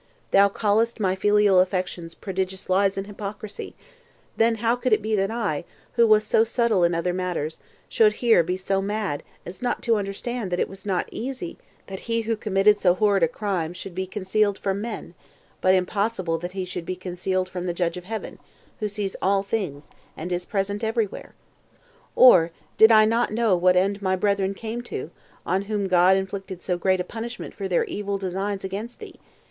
Thou callest my filial affection prodigious lies and hypocrisy! how then could it be that I, who was so subtle in other matters, should here be so mad as not to understand that it was not easy that he who committed so horrid a crime should be concealed from men, but impossible that he should be concealed from the Judge of heaven, who sees all things, and is present every where? or did not I know what end my brethren came to, on whom God inflicted so great a punishment for their evil designs against thee?